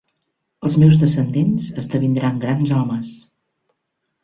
Els meus descendents esdevindran grans homes!